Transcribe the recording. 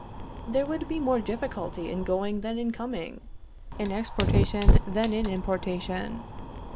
There would be more difficulty in going than in coming; in exportation than in importation.